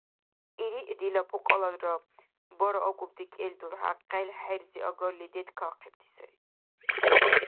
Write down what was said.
Ириъ дила пукьаларадра бара акӀубти кӀел дурхӀя къел-хӀерзи агарли деткахъибти сари.